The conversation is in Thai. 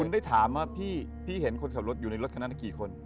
ได้ถามว่าพี่เห็นคนขับรถอยู่ในรถคนนั้นกี่คน